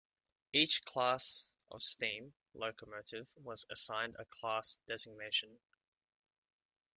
Each class of steam locomotive was assigned a class designation.